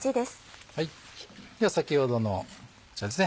では先ほどのこちらですね